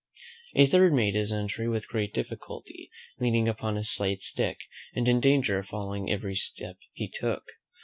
A third made his entry with great difficulty, leaning upon a slight stick, and in danger of falling every step he took.